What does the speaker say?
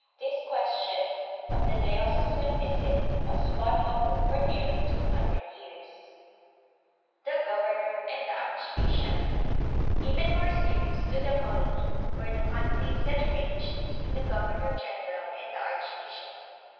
This question of the "diocesan visit" was fought over for nearly two hundred years. THE DUTCH AND MORO WARS. 1600 1663. 203 The Governor and the Archbishop. Even more serious to the colony were the conflicts that raged between the governor general and the archbishop.